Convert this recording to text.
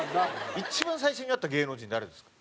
一番最初に会った芸能人誰ですか？